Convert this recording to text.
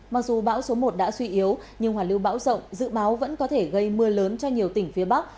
mặc dù bão số một đã suy yếu nhưng hoàn lưu bão rộng dự báo vẫn có thể gây mưa lớn cho nhiều tỉnh phía bắc